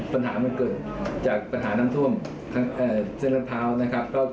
ปัญหามันเกิดจากปัญหาน้ำท่วมเส้นรัดพร้าวนะครับ